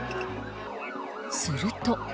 すると。